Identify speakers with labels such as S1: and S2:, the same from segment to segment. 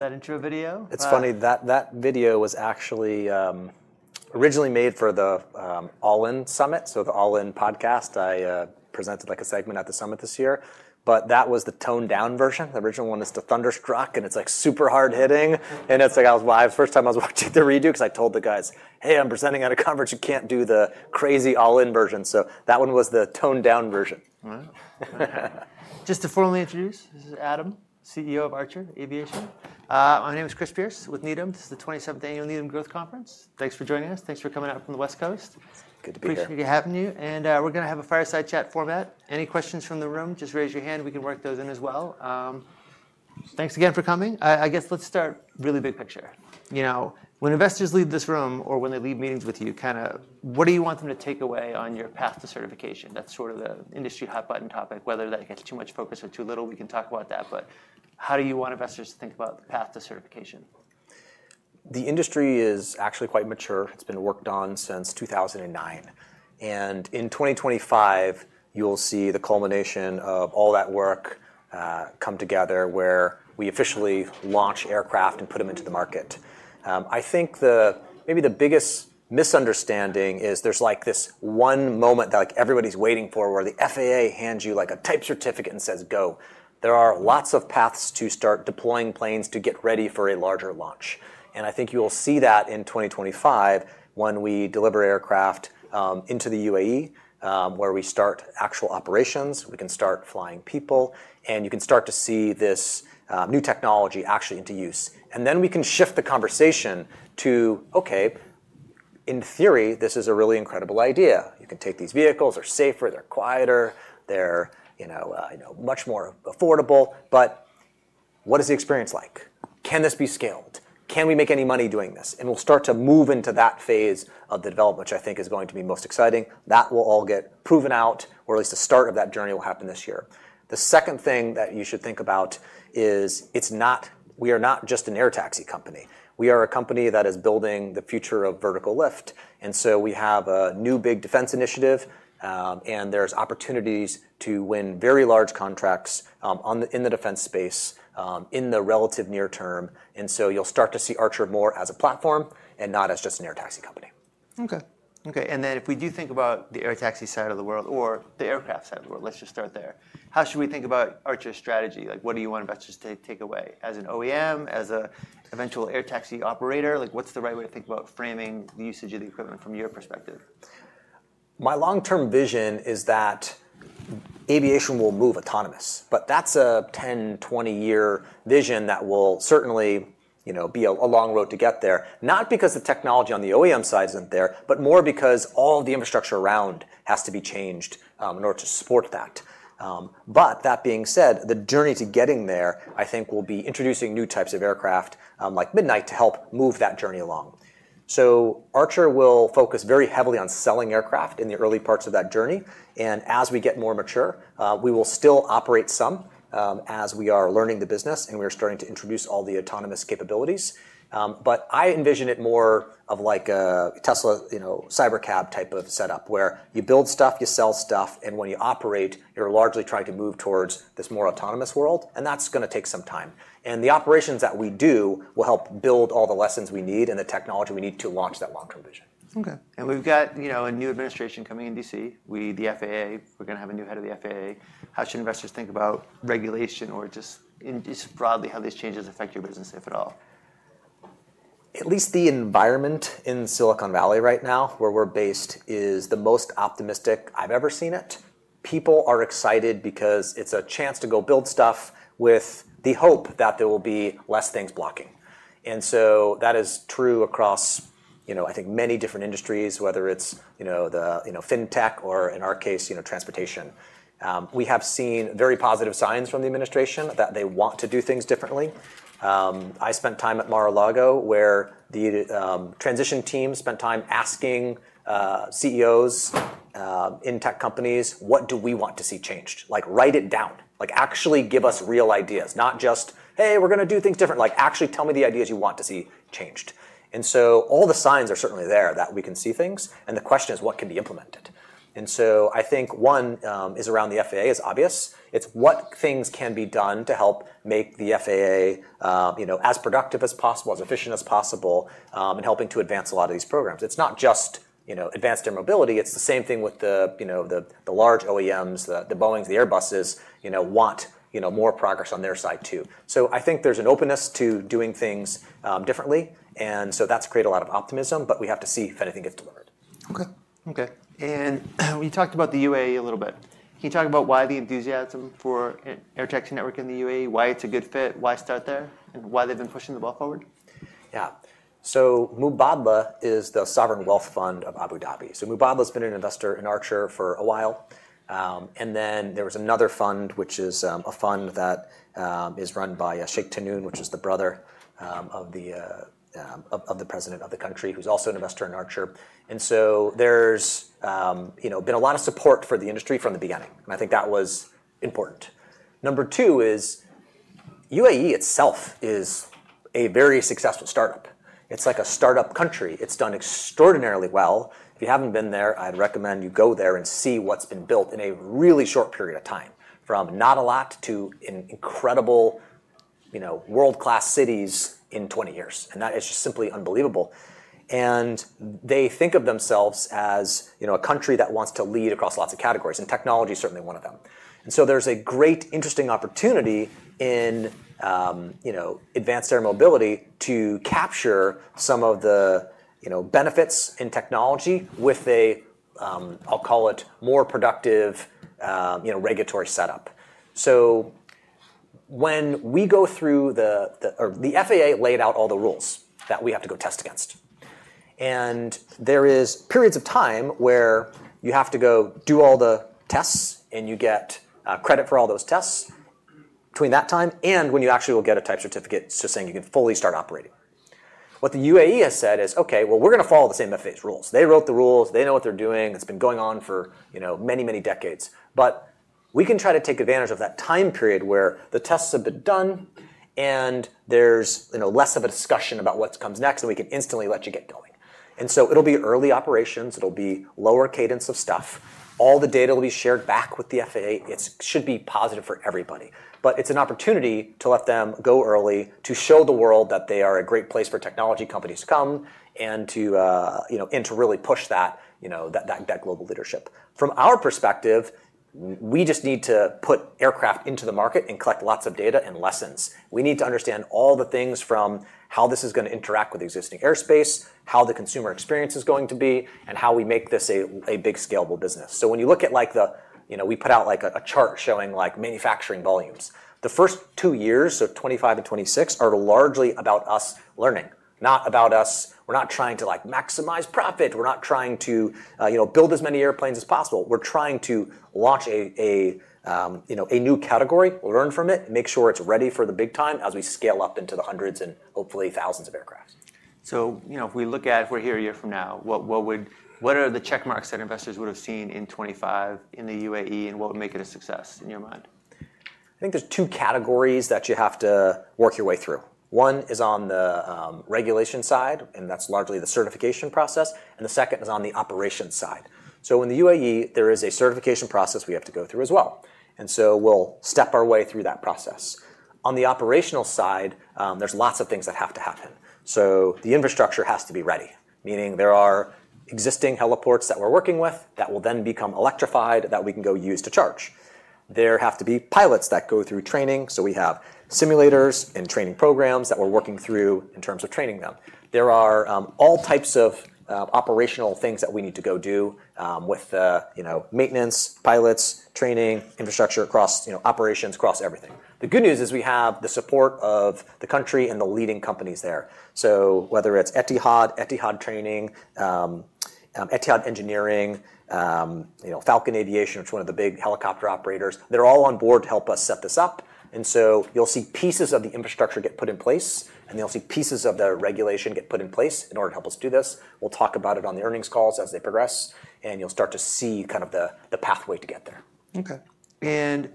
S1: That intro video.
S2: It's funny, that video was actually originally made for the All-In Summit, so the All-In podcast. I presented like a segment at the summit this year, but that was the toned-down version. The original one is the Thunderstruck, and it's like super hard-hitting, and it's like I was, well, first time I was watching the redo because I told the guys, "Hey, I'm presenting at a conference. You can't do the crazy All In version," so that one was the toned-down version.
S1: Just to formally introduce, this is Adam, CEO of Archer Aviation. I'm with Chris Pierce with Needham. This is the 27th Annual Needham Growth Conference. Thanks for joining us. Thanks for coming out from the West Coast.
S2: Good to be here.
S1: appreciate you having me, and we're going to have a fireside chat format. Any questions from the room, just raise your hand. We can work those in as well. Thanks again for coming. I guess let's start really big picture. When investors leave this room or when they leave meetings with you, kind of what do you want them to take away on your path to certification? That's sort of the industry hot-button topic, whether that gets too much focus or too little. We can talk about that, but how do you want investors to think about the path to certification?
S2: The industry is actually quite mature. It's been worked on since 2009. And in 2025, you'll see the culmination of all that work come together where we officially launch aircraft and put them into the market. I think maybe the biggest misunderstanding is there's like this one moment that everybody's waiting for where the FAA hands you like a type certificate and says, "Go." There are lots of paths to start deploying planes to get ready for a larger launch. And I think you will see that in 2025 when we deliver aircraft into the UAE, where we start actual operations. We can start flying people, and you can start to see this new technology actually into use. And then we can shift the conversation to, "OK, in theory, this is a really incredible idea. You can take these vehicles. They're safer. They're quieter. They're much more affordable. But what is the experience like? Can this be scaled? Can we make any money doing this?" and we'll start to move into that phase of the development, which I think is going to be most exciting. That will all get proven out, or at least the start of that journey will happen this year. The second thing that you should think about is we are not just an air taxi company. We are a company that is building the future of vertical lift, and so we have a new big defense initiative, and there's opportunities to win very large contracts in the defense space in the relative near term, and so you'll start to see Archer more as a platform and not as just an air taxi company.
S1: And then if we do think about the air taxi side of the world or the aircraft side of the world, let's just start there, how should we think about Archer's strategy? What do you want investors to take away? As an OEM, as an eventual air taxi operator? What's the right way to think about framing the usage of the equipment from your perspective?
S2: My long-term vision is that aviation will move autonomous. But that's a 10, 20-year vision that will certainly be a long road to get there, not because the technology on the OEM side isn't there, but more because all of the infrastructure around has to be changed in order to support that. But that being said, the journey to getting there, I think, will be introducing new types of aircraft like Midnight to help move that journey along. So Archer will focus very heavily on selling aircraft in the early parts of that journey. And as we get more mature, we will still operate some as we are learning the business and we are starting to introduce all the autonomous capabilities. But I envision it more of like a Tesla Cybercab type of setup where you build stuff, you sell stuff, and when you operate, you're largely trying to move towards this more autonomous world. And that's going to take some time. And the operations that we do will help build all the lessons we need and the technology we need to launch that long-term vision.
S1: OK. And we've got a new administration coming in D.C. The FAA, we're going to have a new head of the FAA. How should investors think about regulation or just broadly how these changes affect your business, if at all?
S2: At least the environment in Silicon Valley right now where we're based is the most optimistic I've ever seen it. People are excited because it's a chance to go build stuff with the hope that there will be less things blocking, and so that is true across, I think, many different industries, whether it's the fintech or, in our case, transportation. We have seen very positive signs from the administration that they want to do things differently. I spent time at Mar-a-Lago where the transition team spent time asking CEOs in tech companies, "What do we want to see changed?" Like, write it down. Actually give us real ideas, not just, "Hey, we're going to do things different." Like, actually tell me the ideas you want to see changed, and so all the signs are certainly there that we can see things, and the question is, what can be implemented? And so I think one is around the FAA is obvious. It's what things can be done to help make the FAA as productive as possible, as efficient as possible, and helping to advance a lot of these programs. It's not just advanced air mobility. It's the same thing with the large OEMs, the Boeings, the Airbuses, want more progress on their side too. So I think there's an openness to doing things differently. And so that's created a lot of optimism. But we have to see if anything gets delivered.
S1: OK. OK. And we talked about the UAE a little bit. Can you talk about why the enthusiasm for an air taxi network in the UAE, why it's a good fit, why start there, and why they've been pushing the ball forward?
S2: Yeah. So Mubadala is the sovereign wealth fund of Abu Dhabi. So Mubadala has been an investor in Archer for a while. And then there was another fund, which is a fund that is run by Sheikh Tahnoon, which is the brother of the president of the country, who's also an investor in Archer. And so there's been a lot of support for the industry from the beginning. And I think that was important. Number two is UAE itself is a very successful startup. It's like a startup country. It's done extraordinarily well. If you haven't been there, I'd recommend you go there and see what's been built in a really short period of time, from not a lot to incredible world-class cities in 20 years. And that is just simply unbelievable. And they think of themselves as a country that wants to lead across lots of categories. And technology is certainly one of them. And so there's a great, interesting opportunity in advanced air mobility to capture some of the benefits in technology with a, I'll call it, more productive regulatory setup. So when we go through the FAA laid out all the rules that we have to go test against. And there are periods of time where you have to go do all the tests, and you get credit for all those tests between that time and when you actually will get a type certificate just saying you can fully start operating. What the UAE has said is, "OK, well, we're going to follow the same FAA's rules. They wrote the rules. They know what they're doing. It's been going on for many, many decades. But we can try to take advantage of that time period where the tests have been done and there's less of a discussion about what comes next, and we can instantly let you get going," and so it'll be early operations. It'll be lower cadence of stuff. All the data will be shared back with the FAA. It should be positive for everybody, but it's an opportunity to let them go early, to show the world that they are a great place for technology companies to come and to really push that global leadership. From our perspective, we just need to put aircraft into the market and collect lots of data and lessons. We need to understand all the things from how this is going to interact with existing airspace, how the consumer experience is going to be, and how we make this a big scalable business. So when you look at the chart we put out showing manufacturing volumes. The first two years, so '25 and '26, are largely about us learning, not about us. We're not trying to maximize profit. We're not trying to build as many airplanes as possible. We're trying to launch a new category, learn from it, make sure it's ready for the big time as we scale up into the hundreds and hopefully thousands of aircraft.
S1: So if we look at where you're a year from now, what are the checkmarks that investors would have seen in '25 in the UAE, and what would make it a success in your mind?
S2: I think there's two categories that you have to work your way through. One is on the regulation side, and that's largely the certification process, and the second is on the operations side, so in the UAE, there is a certification process we have to go through as well, and so we'll step our way through that process. On the operational side, there's lots of things that have to happen, so the infrastructure has to be ready, meaning there are existing heliports that we're working with that will then become electrified that we can go use to charge. There have to be pilots that go through training, so we have simulators and training programs that we're working through in terms of training them. There are all types of operational things that we need to go do with maintenance, pilots, training, infrastructure across operations, across everything. The good news is we have the support of the country and the leading companies there, so whether it's Etihad, Etihad Training, Etihad Engineering, Falcon Aviation, which is one of the big helicopter operators, they're all on board to help us set this up, and so you'll see pieces of the infrastructure get put in place, and you'll see pieces of the regulation get put in place in order to help us do this. We'll talk about it on the earnings calls as they progress, and you'll start to see kind of the pathway to get there.
S1: OK. And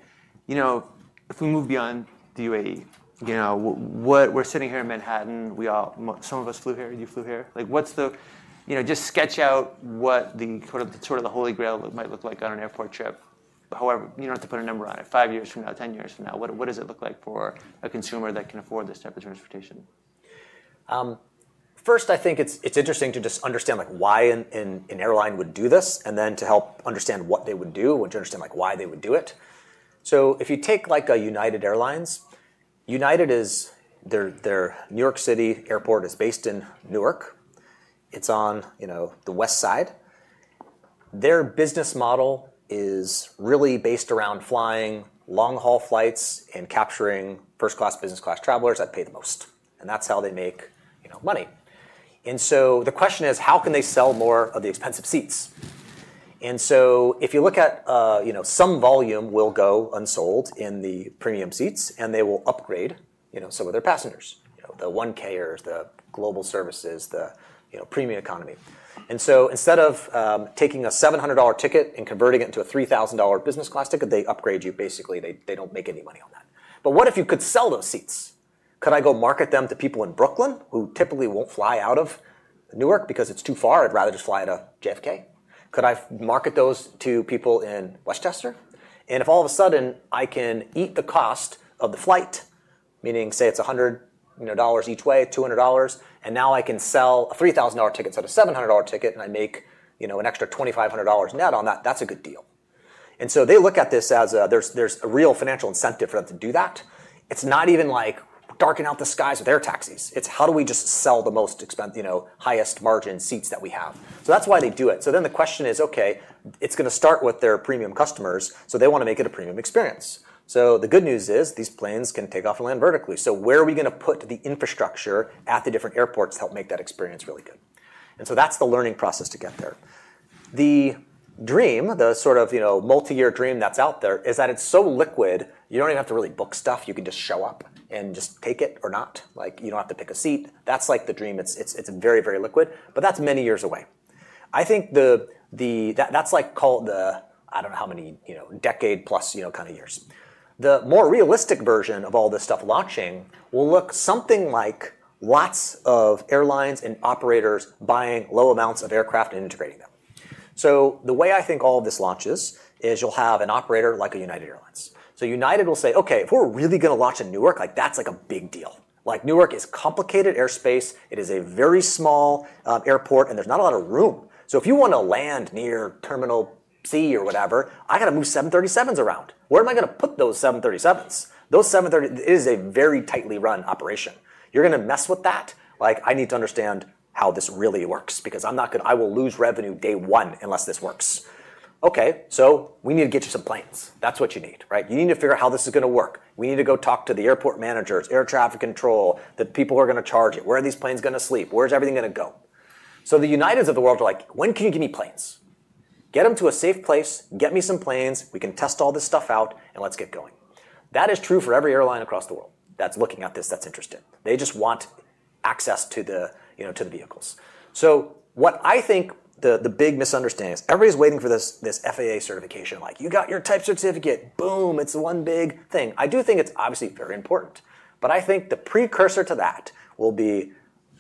S1: if we move beyond the UAE, we're sitting here in Manhattan. Some of us flew here. You flew here. Just sketch out what the sort of the holy grail might look like on an airport trip. However, you don't have to put a number on it. Five years from now, 10 years from now, what does it look like for a consumer that can afford this type of transportation?
S2: First, I think it's interesting to just understand why an airline would do this and then to help understand what they would do and to understand why they would do it, so if you take like United Airlines, United is their New York City airport is based in Newark. It's on the west side. Their business model is really based around flying long-haul flights and capturing first-class, business-class travelers that pay the most. And that's how they make money, and so the question is, how can they sell more of the expensive seats, and so if you look at some volume will go unsold in the premium seats, and they will upgrade some of their passengers, the 1Kers, the Global Services, the premium economy, and so instead of taking a $700 ticket and converting it to a $3,000 business-class ticket, they upgrade you. Basically, they don't make any money on that. But what if you could sell those seats? Could I go market them to people in Brooklyn who typically won't fly out of Newark because it's too far? I'd rather just fly to JFK. Could I market those to people in Westchester? And if all of a sudden I can eat the cost of the flight, meaning say it's $100 each way, $200, and now I can sell a $3,000 ticket instead of a $700 ticket, and I make an extra $2,500 net on that, that's a good deal. And so they look at this as there's a real financial incentive for them to do that. It's not even like darkening out the skies with air taxis. It's how do we just sell the most highest margin seats that we have. So that's why they do it. So then the question is, OK, it's going to start with their premium customers, so they want to make it a premium experience. So the good news is these planes can take off and land vertically. So where are we going to put the infrastructure at the different airports to help make that experience really good? And so that's the learning process to get there. The dream, the sort of multi-year dream that's out there, is that it's so liquid you don't even have to really book stuff. You can just show up and just take it or not. You don't have to pick a seat. That's like the dream. It's very, very liquid. But that's many years away. I think that's like I don't know how many decade-plus kind of years. The more realistic version of all this stuff launching will look something like lots of airlines and operators buying low amounts of aircraft and integrating them. So the way I think all of this launches is you'll have an operator like a United Airlines. So United will say, "OK, if we're really going to launch in Newark, that's like a big deal. Newark is complicated airspace. It is a very small airport, and there's not a lot of room. So if you want to land near Terminal C or whatever, I got to move 737s around. Where am I going to put those 737s?" It is a very tightly run operation. You're going to mess with that? I need to understand how this really works because I will lose revenue day one unless this works. OK, so we need to get you some planes. That's what you need. You need to figure out how this is going to work. We need to go talk to the airport managers, air traffic control, the people who are going to charge it. Where are these planes going to sleep? Where is everything going to go? So the Uniteds of the world are like, "When can you give me planes? Get them to a safe place. Get me some planes. We can test all this stuff out, and let's get going." That is true for every airline across the world that's looking at this that's interested. They just want access to the vehicles. So what I think the big misunderstanding is everybody's waiting for this FAA certification. Like, "You got your type certificate. Boom. It's the one big thing." I do think it's obviously very important. I think the precursor to that will be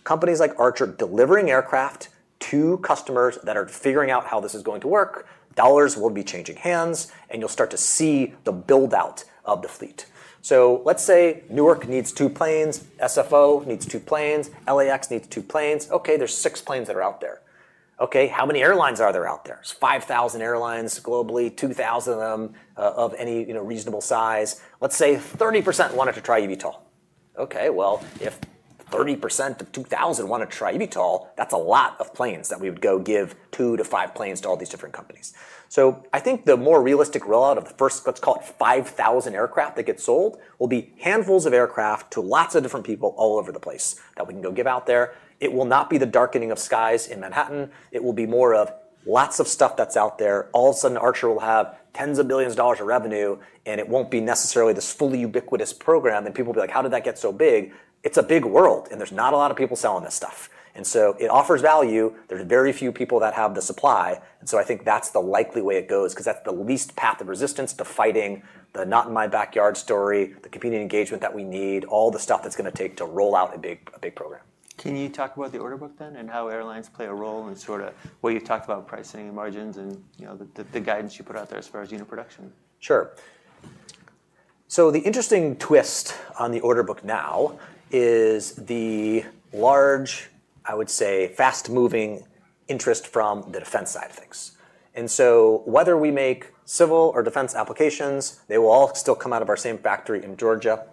S2: companies like Archer delivering aircraft to customers that are figuring out how this is going to work. Dollars will be changing hands, and you'll start to see the build-out of the fleet. So let's say Newark needs two planes. SFO needs two planes. LAX needs two planes. OK, there's six planes that are out there. OK, how many airlines are there out there? There's 5,000 airlines globally, 2,000 of them of any reasonable size. Let's say 30% wanted to try eVTOL. OK, well, if 30% of 2,000 want to try eVTOL, that's a lot of planes that we would go give two to five planes to all these different companies. So I think the more realistic rollout of the first, let's call it, 5,000 aircraft that get sold will be handfuls of aircraft to lots of different people all over the place that we can go give out there. It will not be the darkening of skies in Manhattan. It will be more of lots of stuff that's out there. All of a sudden, Archer will have tens of billions of dollars of revenue, and it won't be necessarily this fully ubiquitous program. And people will be like, "How did that get so big?" It's a big world, and there's not a lot of people selling this stuff. And so it offers value. There are very few people that have the supply. And so I think that's the likely way it goes because that's the least path of resistance to fighting the not-in-my-backyard story, the competing engagement that we need, all the stuff that's going to take to roll out a big program.
S1: Can you talk about the order book then and how airlines play a role in sort of what you talked about, pricing and margins and the guidance you put out there as far as unit production?
S2: Sure. So the interesting twist on the order book now is the large, I would say, fast-moving interest from the defense side of things. And so whether we make civil or defense applications, they will all still come out of our same factory in Georgia.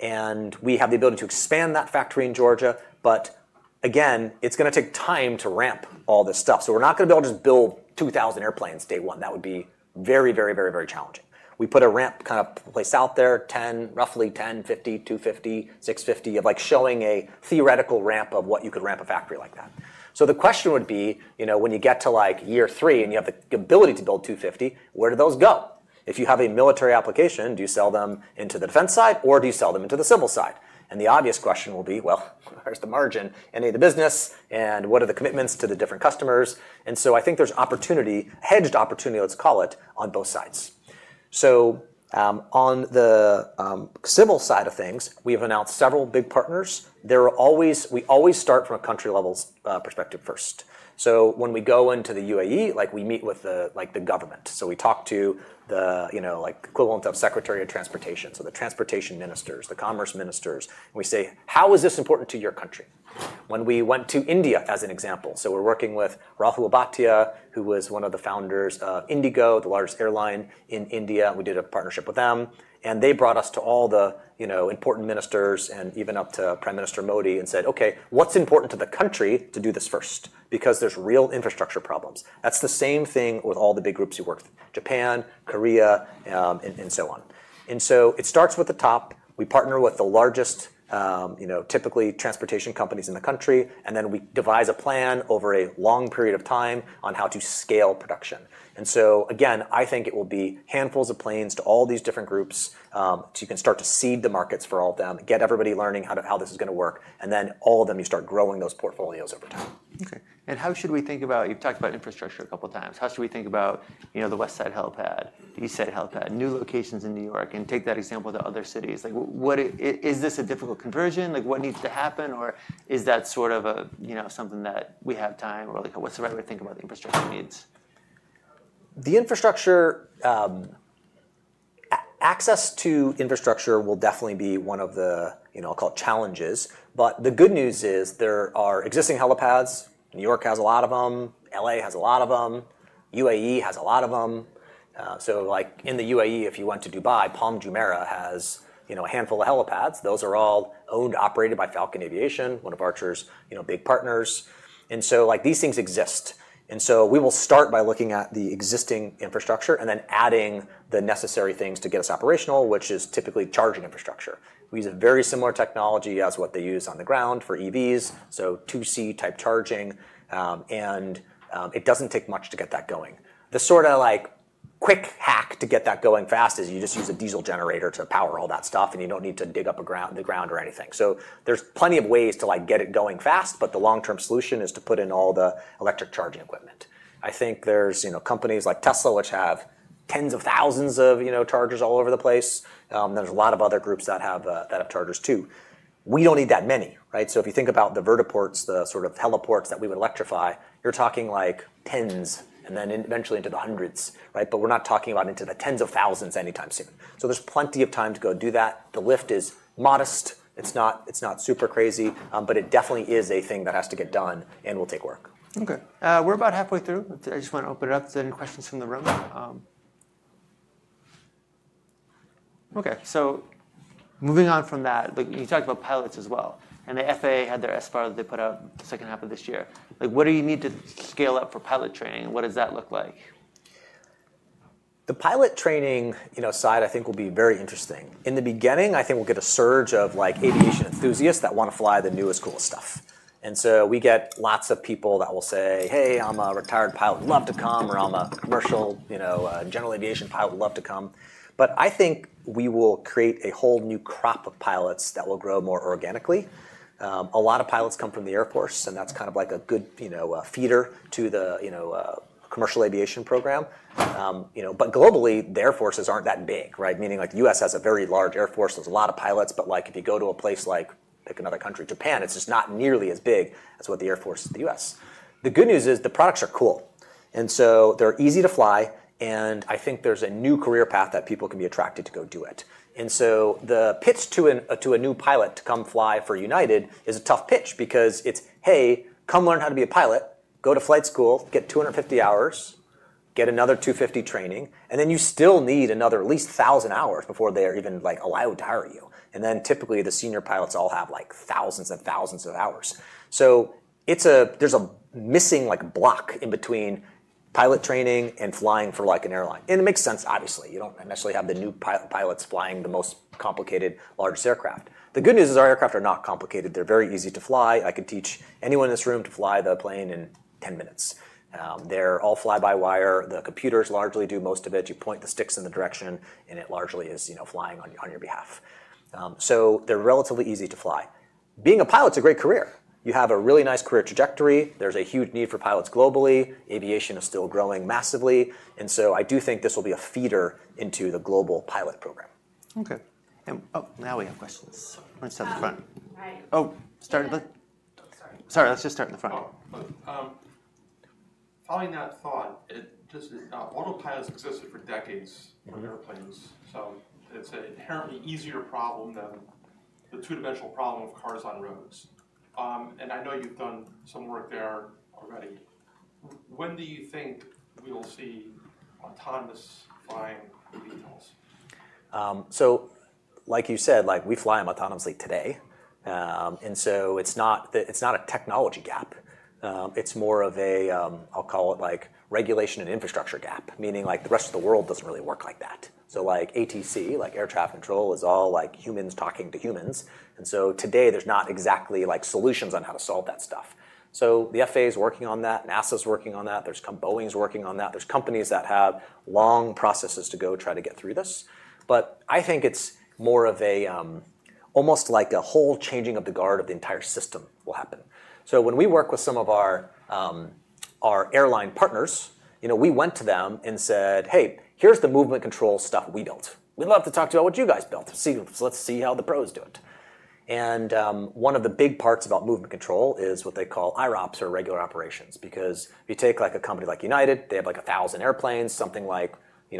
S2: And we have the ability to expand that factory in Georgia. But again, it's going to take time to ramp all this stuff. So we're not going to be able to just build 2,000 airplanes day one. That would be very, very, very, very challenging. We put a ramp kind of place out there, roughly 10, 50, 250, 650 of showing a theoretical ramp of what you could ramp a factory like that. So the question would be when you get to year three and you have the ability to build 250, where do those go? If you have a military application, do you sell them into the defense side, or do you sell them into the civil side? And the obvious question will be, well, where's the margin in the business, and what are the commitments to the different customers? And so I think there's opportunity, hedged opportunity, let's call it, on both sides. So on the civil side of things, we have announced several big partners. We always start from a country-level perspective first. So when we go into the UAE, we meet with the government. So we talk to the equivalent of Secretary of Transportation, so the transportation ministers, the commerce ministers. We say, "How is this important to your country?" When we went to India, as an example, so we're working with Rahul Bhatia, who was one of the founders of IndiGo, the largest airline in India. We did a partnership with them, and they brought us to all the important ministers and even up to Prime Minister Modi and said, "OK, what's important to the country to do this first? Because there's real infrastructure problems." That's the same thing with all the big groups you work with: Japan, Korea, and so on, and so it starts with the top. We partner with the largest, typically, transportation companies in the country, and then we devise a plan over a long period of time on how to scale production, and so again, I think it will be handfuls of planes to all these different groups so you can start to seed the markets for all of them, get everybody learning how this is going to work, and then all of them, you start growing those portfolios over time.
S1: OK. And how should we think about you've talked about infrastructure a couple of times? How should we think about the west side helipad, the east side helipad, new locations in New York, and take that example to other cities? Is this a difficult conversion? What needs to happen? Or is that sort of something that we have time? Or what's the right way to think about the infrastructure needs?
S2: Access to infrastructure will definitely be one of the challenges, but the good news is there are existing helipads. New York has a lot of them. LA has a lot of them. UAE has a lot of them, so in the UAE, if you went to Dubai, Palm Jumeirah has a handful of helipads. Those are all owned, operated by Falcon Aviation, one of Archer's big partners, and so these things exist, and so we will start by looking at the existing infrastructure and then adding the necessary things to get us operational, which is typically charging infrastructure. We use a very similar technology as what they use on the ground for EVs, so 2C-type charging, and it doesn't take much to get that going. The sort of quick hack to get that going fast is you just use a diesel generator to power all that stuff, and you don't need to dig up the ground or anything. So there's plenty of ways to get it going fast, but the long-term solution is to put in all the electric charging equipment. I think there's companies like Tesla, which have tens of thousands of chargers all over the place. There's a lot of other groups that have chargers, too. We don't need that many. So if you think about the vertiports, the sort of heliports that we would electrify, you're talking like tens and then eventually into the hundreds. But we're not talking about into the tens of thousands anytime soon. So there's plenty of time to go do that. The lift is modest. It's not super crazy, but it definitely is a thing that has to get done and will take work.
S1: OK. We're about halfway through. I just want to open it up to any questions from the room. OK, so moving on from that, you talked about pilots as well, and the FAA had their SFAR that they put out the second half of this year. What do you need to scale up for pilot training? What does that look like?
S2: The pilot training side, I think, will be very interesting. In the beginning, I think we'll get a surge of aviation enthusiasts that want to fly the newest, coolest stuff, and so we get lots of people that will say, "Hey, I'm a retired pilot. Love to come," or "I'm a commercial general aviation pilot. Love to come," but I think we will create a whole new crop of pilots that will grow more organically. A lot of pilots come from the Air Force, and that's kind of like a good feeder to the commercial aviation program, but globally, the Air Forces aren't that big, meaning the U.S. has a very large Air Force. There's a lot of pilots, but if you go to a place, like pick another country, Japan, it's just not nearly as big as what the Air Force in the U.S. The good news is the products are cool. And so they're easy to fly. And I think there's a new career path that people can be attracted to go do it. And so the pitch to a new pilot to come fly for United is a tough pitch because it's, "Hey, come learn how to be a pilot. Go to flight school. Get 250 hours. Get another 250 training." And then you still need another at least 1,000 hours before they're even allowed to hire you. And then typically, the senior pilots all have thousands and thousands of hours. So there's a missing block in between pilot training and flying for an airline. And it makes sense, obviously. You don't necessarily have the new pilots flying the most complicated, largest aircraft. The good news is our aircraft are not complicated. They're very easy to fly. I can teach anyone in this room to fly the plane in 10 minutes. They're all fly-by-wire. The computers largely do most of it. You point the sticks in the direction, and it largely is flying on your behalf. So they're relatively easy to fly. Being a pilot is a great career. You have a really nice career trajectory. There's a huge need for pilots globally. Aviation is still growing massively. And so I do think this will be a feeder into the global pilot program.
S1: OK. Oh, now we have questions. Why don't you start in the front? Oh, start in the back. Sorry. Let's just start in the front.
S3: Following that thought, autopilots existed for decades on airplanes, so it's an inherently easier problem than the two-dimensional problem of cars on roads, and I know you've done some work there already. When do you think we'll see autonomous flying in detail?
S2: So like you said, we fly them autonomously today. And so it's not a technology gap. It's more of a, I'll call it, regulation and infrastructure gap, meaning the rest of the world doesn't really work like that. So ATC, like air traffic control, is all humans talking to humans. And so today, there's not exactly solutions on how to solve that stuff. So the FAA is working on that. NASA is working on that. There's Boeing working on that. There's companies that have long processes to go try to get through this. But I think it's more of almost like a whole changing of the guard of the entire system will happen. So when we work with some of our airline partners, we went to them and said, "Hey, here's the movement control stuff we built. We'd love to talk to you about what you guys built. Let's see how the pros do it." One of the big parts about movement control is what they call IROPs, or irregular operations. Because if you take a company like United, they have like 1,000 airplanes. Something like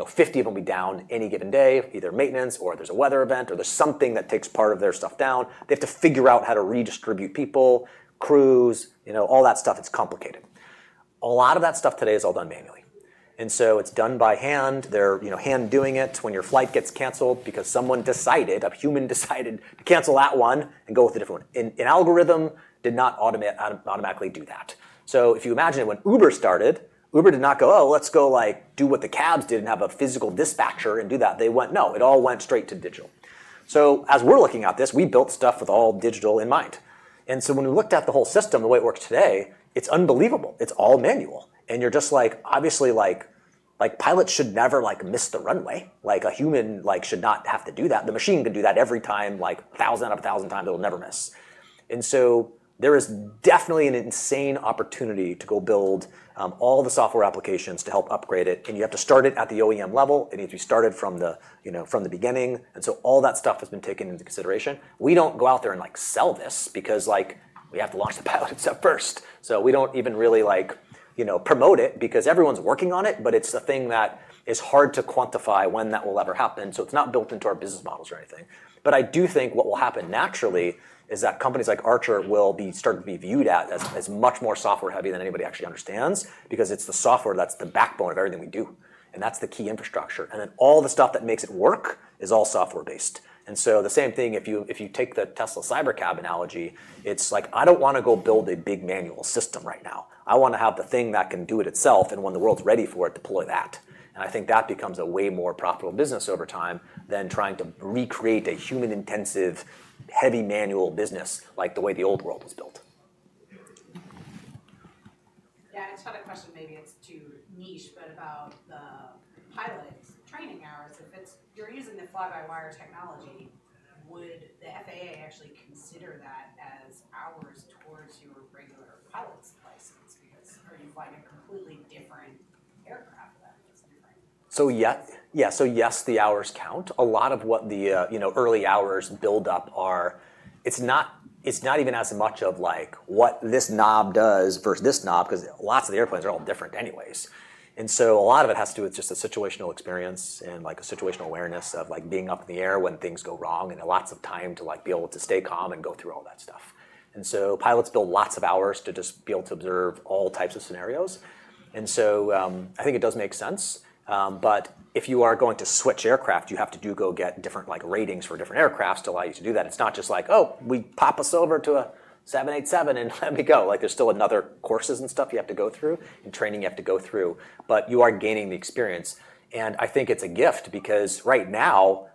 S2: 50 of them will be down any given day, either maintenance or there's a weather event or there's something that takes part of their stuff down. They have to figure out how to redistribute people, crews, all that stuff. It's complicated. A lot of that stuff today is all done manually. So it's done by hand. They're hand doing it when your flight gets canceled because someone decided, a human decided, to cancel that one and go with a different one. An algorithm did not automatically do that. So if you imagine it when Uber started, Uber did not go, "Oh, let's go do what the cabs did and have a physical dispatcher and do that." They went, "No." It all went straight to digital. So as we're looking at this, we built stuff with all digital in mind. And so when we looked at the whole system, the way it works today, it's unbelievable. It's all manual. And you're just like, obviously, pilots should never miss the runway. A human should not have to do that. The machine can do that every time, like 1,000 out of 1,000 times. It'll never miss. And so there is definitely an insane opportunity to go build all the software applications to help upgrade it. And you have to start it at the OEM level. It needs to be started from the beginning. All that stuff has been taken into consideration. We don't go out there and sell this because we have to launch the pilot itself first. So we don't even really promote it because everyone's working on it, but it's a thing that is hard to quantify when that will ever happen. So it's not built into our business models or anything. But I do think what will happen naturally is that companies like Archer will start to be viewed as much more software-heavy than anybody actually understands because it's the software that's the backbone of everything we do. And that's the key infrastructure. And then all the stuff that makes it work is all software-based. And so the same thing, if you take the Tesla Cybercab analogy, it's like, "I don't want to go build a big manual system right now. I want to have the thing that can do it itself and when the world's ready for it, deploy that." And I think that becomes a way more profitable business over time than trying to recreate a human-intensive, heavy manual business like the way the old world was built.
S3: Yeah. I just had a question. Maybe it's too niche, but about the pilot training hours. If you're using the fly-by-wire technology, would the FAA actually consider that as hours towards your regular pilot's license? Because are you flying a completely different aircraft that is different?
S2: So yeah. So yes, the hours count. A lot of what the early hours build up are; it's not even as much of what this knob does versus this knob because lots of the airplanes are all different anyways. And so a lot of it has to do with just a situational experience and a situational awareness of being up in the air when things go wrong and lots of time to be able to stay calm and go through all that stuff. And so pilots build lots of hours to just be able to observe all types of scenarios. And so I think it does make sense. But if you are going to switch aircraft, you have to go get different ratings for different aircraft to allow you to do that. It's not just like, "Oh, we pop a Silver to a 787 and let me go." There's still another courses and stuff you have to go through and training you have to go through, but you are gaining the experience, and I think it's a gift because right now,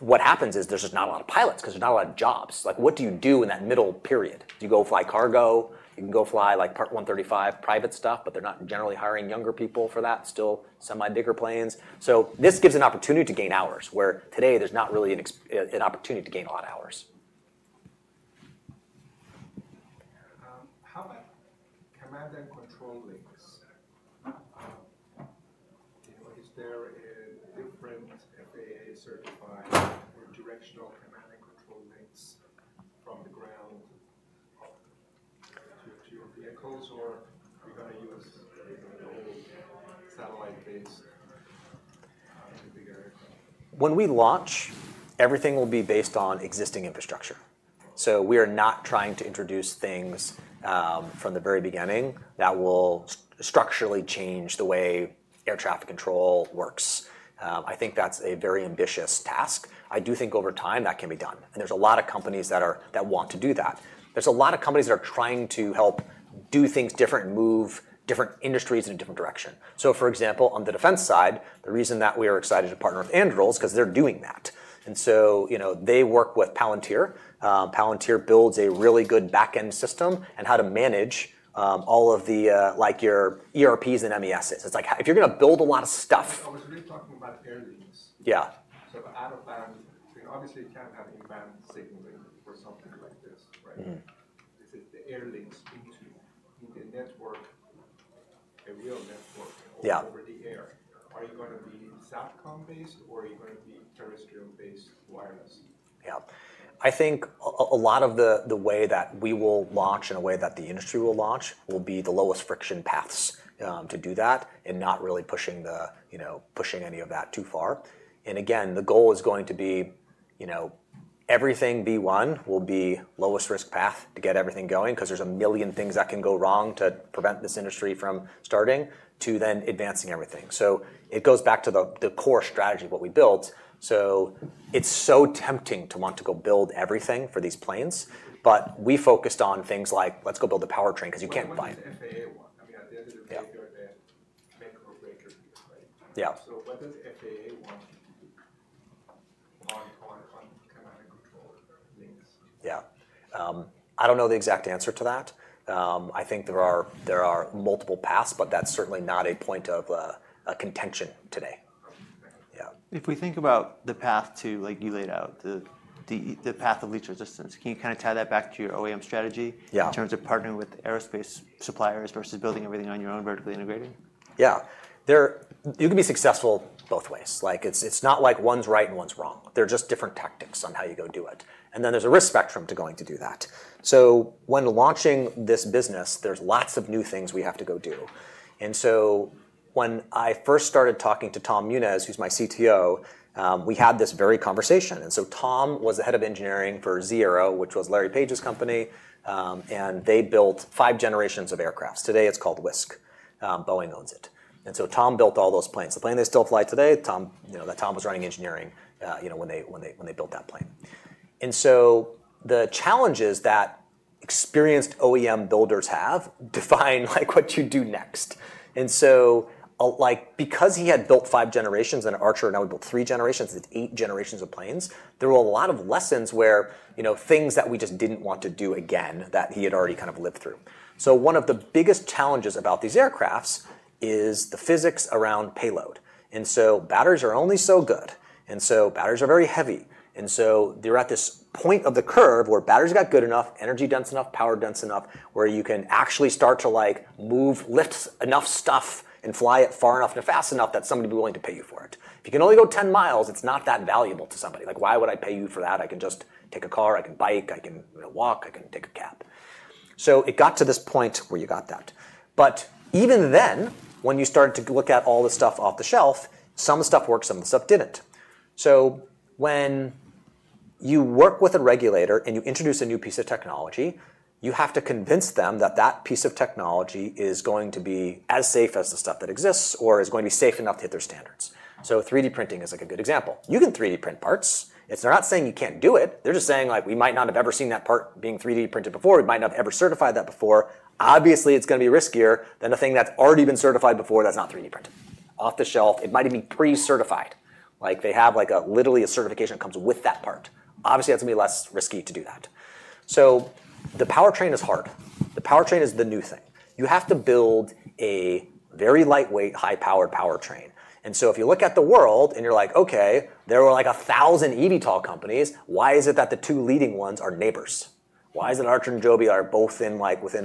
S2: what happens is there's just not a lot of pilots because there's not a lot of jobs. What do you do in that middle period? You go fly cargo. You can go fly Part 135 private stuff, but they're not generally hiring younger people for that, still bigger planes, so this gives an opportunity to gain hours where today, there's not really an opportunity to gain a lot of hours.
S3: How about command and control links? Is there a different FAA-certified or directional command and control links from the ground to your vehicles? Or are you going to use the old satellite-based aircraft?
S2: When we launch, everything will be based on existing infrastructure, so we are not trying to introduce things from the very beginning that will structurally change the way air traffic control works. I think that's a very ambitious task. I do think over time, that can be done, and there's a lot of companies that want to do that. There's a lot of companies that are trying to help do things different and move different industries in a different direction, so for example, on the defense side, the reason that we are excited to partner with Anduril is because they're doing that, and so they work with Palantir. Palantir builds a really good back-end system and how to manage all of your ERPs and MESs. It's like if you're going to build a lot of stuff.
S3: Oh, because we're talking about air links.
S2: Yeah.
S3: So out-of-band, obviously, you can't have in-band signaling for something like this. Is it the air links into the network, a real network over the air? Are you going to be satcom-based? Or are you going to be terrestrial-based wireless?
S2: Yeah. I think a lot of the way that we will launch and the way that the industry will launch will be the lowest friction paths to do that and not really pushing any of that too far, and again, the goal is going to be everything V1 will be lowest risk path to get everything going because there's a million things that can go wrong to prevent this industry from starting to then advancing everything, so it goes back to the core strategy of what we built. So it's so tempting to want to go build everything for these planes, but we focused on things like, let's go build a powertrain because you can't buy it.
S3: I mean, at the end of the day, you're going to make or break your gear, right?
S2: Yeah.
S3: What does FAA want on command and control links?
S2: Yeah. I don't know the exact answer to that. I think there are multiple paths, but that's certainly not a point of contention today. Yeah.
S3: If we think about the path to, like you laid out, the path of least resistance, can you kind of tie that back to your OEM strategy in terms of partnering with aerospace suppliers versus building everything on your own vertically integrating?
S2: Yeah. You can be successful both ways. It's not like one's right and one's wrong. They're just different tactics on how you go do it. And then there's a risk spectrum to going to do that. So when launching this business, there's lots of new things we have to go do. And so when I first started talking to Tom Muniz, who's my CTO, we had this very conversation. And so Tom was the head of engineering for Zee.Aero, which was Larry Page's company. And they built five generations of aircrafts. Today, it's called Wisk. Boeing owns it. And so Tom built all those planes. The plane they still fly today, that Tom was running engineering when they built that plane. And so the challenges that experienced OEM builders have define what you do next. And so, because he had built five generations and Archer now had built three generations, it's eight generations of planes. There were a lot of lessons where things that we just didn't want to do again that he had already kind of lived through. So one of the biggest challenges about these aircraft is the physics around payload. And so batteries are only so good. And so batteries are very heavy. And so they're at this point of the curve where batteries got good enough, energy dense enough, power dense enough where you can actually start to move, lift enough stuff, and fly it far enough and fast enough that somebody would be willing to pay you for it. If you can only go 10 miles, it's not that valuable to somebody. Why would I pay you for that? I can just take a car. I can bike. I can walk. I can take a cab. So it got to this point where you got that. But even then, when you started to look at all the stuff off the shelf, some stuff worked. Some of the stuff didn't. So when you work with a regulator and you introduce a new piece of technology, you have to convince them that that piece of technology is going to be as safe as the stuff that exists or is going to be safe enough to hit their standards. So 3D printing is like a good example. You can 3D print parts. They're not saying you can't do it. They're just saying we might not have ever seen that part being 3D printed before. We might not have ever certified that before. Obviously, it's going to be riskier than a thing that's already been certified before that's not 3D printed. Off-the-shelf, it might even be pre-certified. They have literally a certification that comes with that part. Obviously, that's going to be less risky to do that. So the powertrain is hard. The powertrain is the new thing. You have to build a very lightweight, high-powered powertrain. And so if you look at the world and you're like, "OK, there were like 1,000 eVTOL companies. Why is it that the two leading ones are neighbors? Why is it Archer and Joby are both within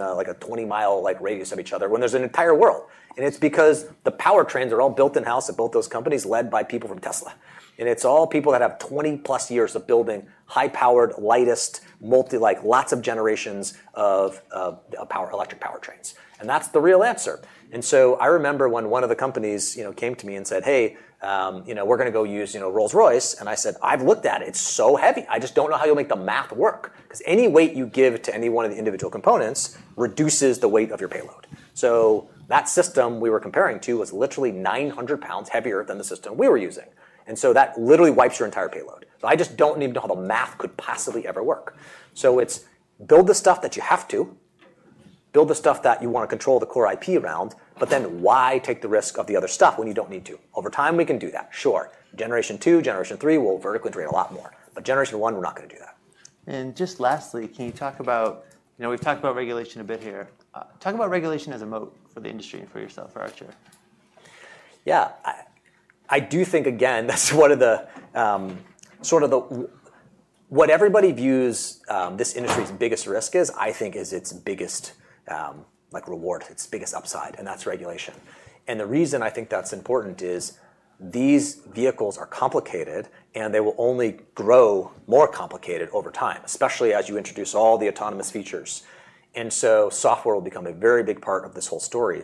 S2: a 20-mile radius of each other when there's an entire world?" And it's because the powertrains are all built in-house at both those companies led by people from Tesla. And it's all people that have 20-plus years of building high-powered, lightest, lots of generations of electric powertrains. And that's the real answer. And so I remember when one of the companies came to me and said, "Hey, we're going to go use Rolls-Royce." And I said, "I've looked at it. It's so heavy. I just don't know how you'll make the math work." Because any weight you give to any one of the individual components reduces the weight of your payload. So that system we were comparing to was literally 900 pounds heavier than the system we were using. And so that literally wipes your entire payload. So I just don't even know how the math could possibly ever work. So it's build the stuff that you have to, build the stuff that you want to control the core IP around, but then why take the risk of the other stuff when you don't need to? Over time, we can do that. Sure. Generation two, generation three will vertically integrate a lot more. But generation one, we're not going to do that.
S3: And just lastly, can you talk about we've talked about regulation a bit here. Talk about regulation as a moat for the industry and for yourself, for Archer.
S2: Yeah. I do think, again, that's sort of what everybody views this industry's biggest risk is, I think, is its biggest reward, its biggest upside. And that's regulation. And the reason I think that's important is these vehicles are complicated, and they will only grow more complicated over time, especially as you introduce all the autonomous features. And so software will become a very big part of this whole story.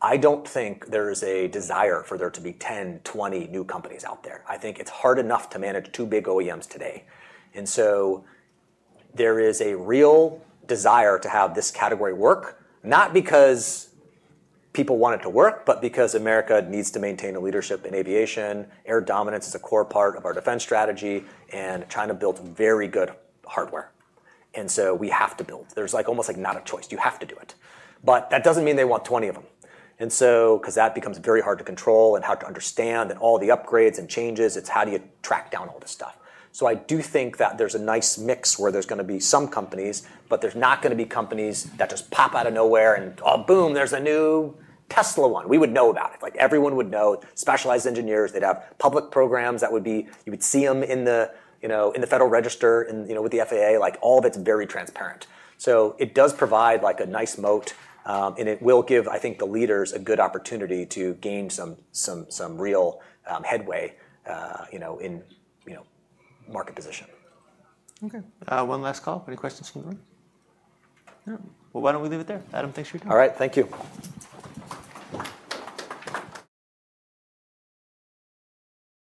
S2: I don't think there is a desire for there to be 10, 20 new companies out there. I think it's hard enough to manage two big OEMs today. And so there is a real desire to have this category work, not because people want it to work, but because America needs to maintain a leadership in aviation. Air dominance is a core part of our defense strategy. And China built very good hardware. And so we have to build. There's almost like not a choice. You have to do it, but that doesn't mean they want 20 of them, and so because that becomes very hard to control and how to understand and all the upgrades and changes, it's how do you track down all this stuff. So I do think that there's a nice mix where there's going to be some companies, but there's not going to be companies that just pop out of nowhere and, oh, boom, there's a new Tesla one. We would know about it. Everyone would know. Specialized engineers, they'd have public programs that would be you would see them in the Federal Register with the FAA. All of it's very transparent, so it does provide a nice moat, and it will give, I think, the leaders a good opportunity to gain some real headway in market position.
S1: OK. One last call. Any questions from the room? No? Well, why don't we leave it there? Adam, thanks for your time.
S2: All right. Thank you.